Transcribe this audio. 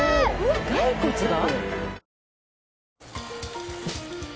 骸骨が？